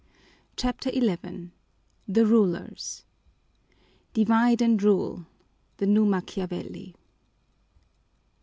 CHAPTER XI The Rulers Divide and rule. (_The New Machiavelli.